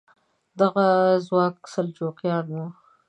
دغه ځواک سلجوقیان وو.